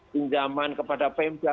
pinjaman kepada pemba